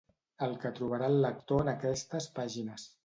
El que trobarà el lector en aquestes pàgines